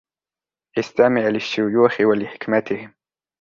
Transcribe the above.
استمع للشيوخ و لحكمتهم.